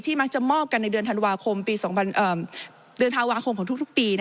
ที่มักจะมอบกันในเดือนธาวาคมของทุกปี